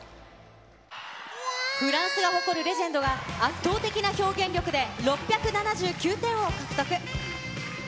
フランスが誇るレジェンドが、圧倒的な表現力で６７９点を獲得。